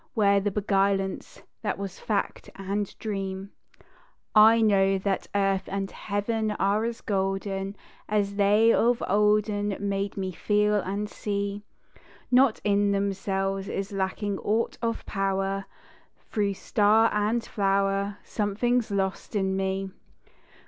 Where the beguilance that was fact and dream? I know that Earth and Heaven are as golden As they of olden made me feel and see; Not in themselves is lacking aught of power Through star and flower something's lost in me.